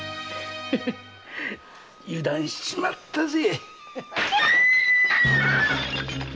へへ油断しちまったぜ。